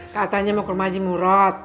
katanya mau kurma di murot